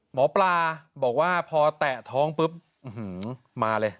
หมอปลาบอกว่าพอแตะท้องปุ๊บมาเลย